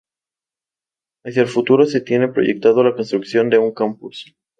Hacia el futuro se tiene proyectado la construcción de un Campus.